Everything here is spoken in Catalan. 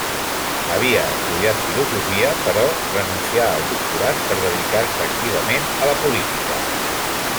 Havia estudiat filosofia, però renuncià el doctorat per dedicar-se activament a la política.